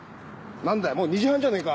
なんだよもう２時半じゃねえか！